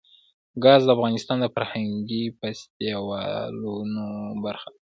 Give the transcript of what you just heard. ګاز د افغانستان د فرهنګي فستیوالونو برخه ده.